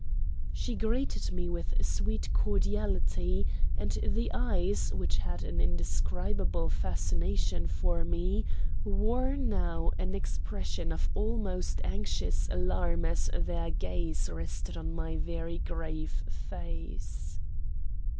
She greeted me with sweet cordiality, and the eyes, which had an indescribable fascination for me, wore now an expression of almost anxious alarm as their gaze rested on my very grave face.